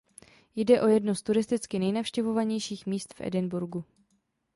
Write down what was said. Jde o jedno z turisticky nejnavštěvovanějších míst v Edinburghu.